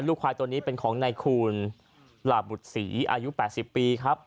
ควายตัวนี้เป็นของนายคูณหลาบุตรศรีอายุ๘๐ปีครับ